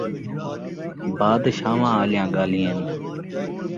بادشاہواں آلیاں ڳالھیں ہن